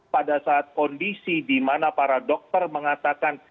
pada saat kondisi di mana para dokter mengatakan